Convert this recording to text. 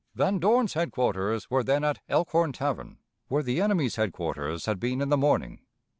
Van Dorn's headquarters were then at Elkhorn Tavern, where the enemy's headquarters had been in the morning.